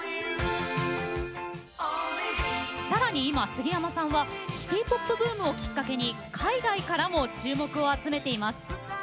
さらに今、杉山さんはシティポップブームをきっかけに海外からも注目を集めています。